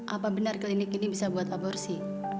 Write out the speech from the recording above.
apa benar klinik ini bisa buat aborsi